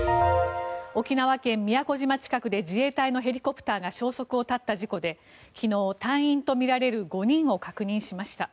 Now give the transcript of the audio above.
沖縄県・宮古島近くで自衛隊のヘリコプターが消息を絶った事故で昨日、隊員とみられる５人を確認しました。